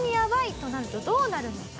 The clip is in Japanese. となるとどうなるのか。